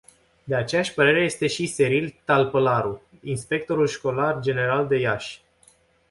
De aceeași părere este și Seril Talpălaru, inspectorul școlar general de Iași.